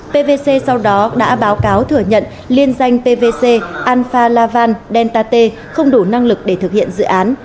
pvc sau đó đã báo cáo thử nhận liên danh pvc alphalavan dentate không đủ năng lực để thực hiện dự án